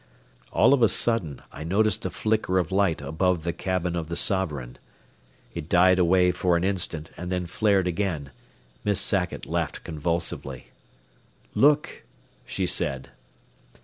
All of a sudden I noticed a flicker of light above the cabin of the Sovereign. It died away for an instant and then flared again, Miss Sackett laughed convulsively. "Look," she said.